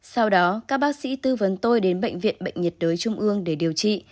sau đó các bác sĩ tư vấn tôi đến bệnh viện bệnh nhiệt đới trung ương để điều trị